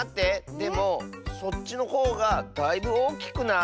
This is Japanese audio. でもそっちのほうがだいぶおおきくない？